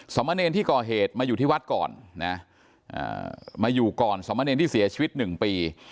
สามเณรที่ก่อเหตุมาอยู่ที่วัดก่อนนะฮะอ่ามาอยู่ก่อนสามเณรที่เสียชีวิตหนึ่งปี